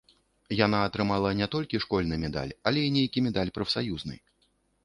Яна атрымала не толькі школьны медаль, але і нейкі медаль прафсаюзны.